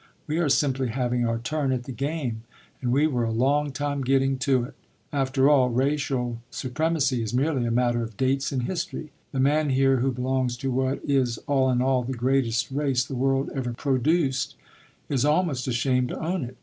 We are simply having our turn at the game, and we were a long time getting to it. After all, racial supremacy is merely a matter of dates in history. The man here who belongs to what is, all in all, the greatest race the world ever produced, is almost ashamed to own it.